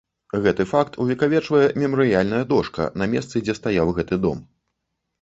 Гэты факт увекавечвае мемарыяльная дошка на месцы, дзе стаяў гэты дом.